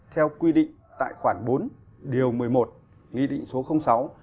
theo quy định tại khoản bốn điều một mươi một nghị định số sáu